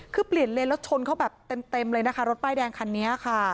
คือเปลี่ยนเลนแล้วชนเขาแบบเต็มเลยนะคะรถป้ายแดงคันนี้ค่ะ